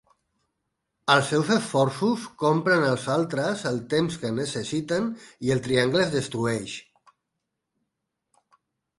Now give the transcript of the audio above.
Els seus esforços compren als altres el temps que necessiten i el Triangle es destrueix.